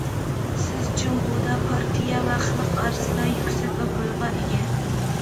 سىز جۇڭگودا پارتىيە ۋە خەلق ئارىسىدا يۈكسەك ئابرۇيغا ئىگە.